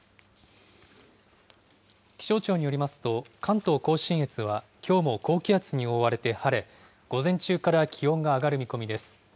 気象庁によりますと、関東甲信越はきょうも高気圧に覆われて晴れ、午前中から気温が上がる見込みです。